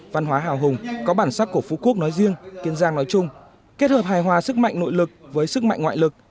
văn hóa hào hùng có bản sắc của phú quốc nói riêng kiên giang nói chung kết hợp hài hòa sức mạnh nội lực với sức mạnh ngoại lực